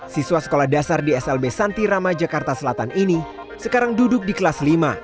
siswa sekolah dasar di slb santirama jakarta selatan ini sekarang duduk di kelas lima